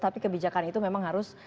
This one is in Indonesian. tapi kebijakan itu memang harus